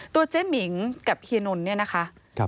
เจ๊หมิงกับเฮียนนท์เนี่ยนะคะ